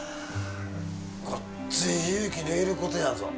ごっつい勇気のいることやぞ。